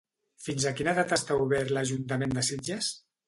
Fins a quina data està obert l'Ajuntament de Sitges?